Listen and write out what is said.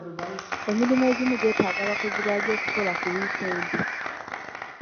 Emirimu egimu gyeetaaga abakozi baagyo okukola ku wiikendi.